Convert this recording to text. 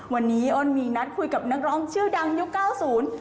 วันนี้อ้นมีนัดคุยกับนักร้องชื่อดังยุคเก้าศูนย์